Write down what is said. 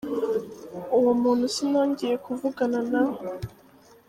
Uwo muntu sinongeye kuvugana na we.